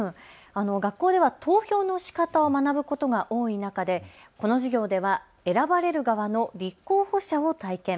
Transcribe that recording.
学校では投票のしかたを学ぶことが多い中でこの授業では選ばれる側の立候補者を体験。